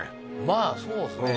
まあそうですね